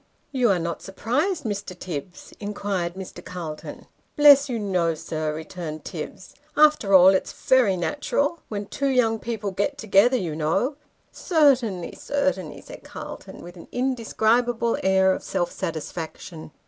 " You are not surprised, Mr. Tibbs ?" inquired Mr. Calton. " Bless you, no, sir," returned Tibbs ;" after all, it's very natural. When two young people get together, you know " Certainly, certainly," said Calton, with an indescribable air of self satisfaction.